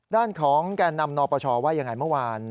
ด้านของแก่นำนปชว่ายังไงเมื่อวาน